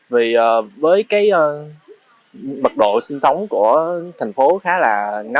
vì với mật độ sinh sống của thành phố khá là lớn